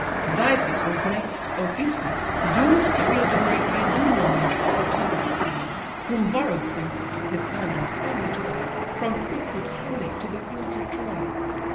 Thy fate was next, O Phæstus! doom'd to feel The great Idomeneus' protended steel; Whom Borus sent (his son and only joy) From fruitful Tarne to the fields of Troy.